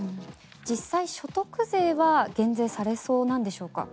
実際、所得税は減税されそうなんでしょうか。